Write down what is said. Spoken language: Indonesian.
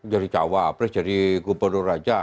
jadi cawapres jadi gubernur saja